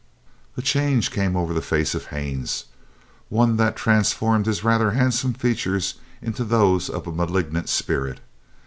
A change came over the face of Haines—one that transformed his rather handsome features into those of a malignant spirit.